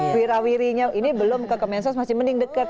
wira wirinya ini belum ke kemensos masih mending deket